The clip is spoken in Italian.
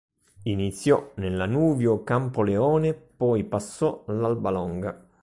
Iniziò nel Lanuvio Campoleone, poi passò all'Albalonga.